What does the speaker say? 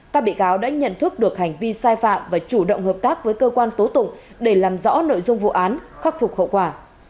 các bị cáo đã nhận thức được hành vi sai phạm và chủ động hợp tác với cơ quan tố tụng để làm rõ nội dung vụ án khắc phục hậu quả